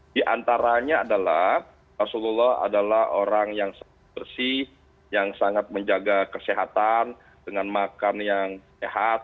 di antaranya adalah rasulullah adalah orang yang sangat bersih yang sangat menjaga kesehatan dengan makan yang sehat